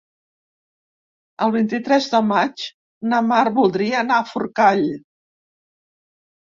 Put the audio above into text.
El vint-i-tres de maig na Mar voldria anar a Forcall.